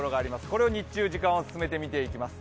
これを日中時間を進めて見ていきます。